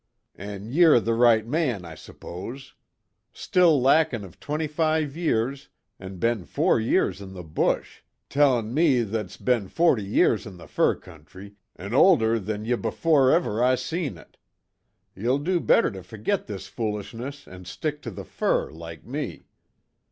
"An' ye're the right man, I suppose! Still lackin' of twenty five years, an' be'n four years in the bush; tellin' me that's be'n forty years in the fur country, an' older than ye before ever I seen it. Ye'll do better to ferget this foolishness an' stick to the fur like me.